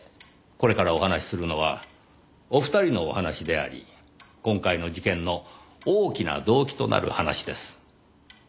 これからお話しするのはお二人のお話であり今回の事件の大きな動機となる話です。